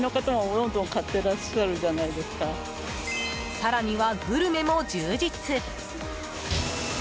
更には、グルメも充実。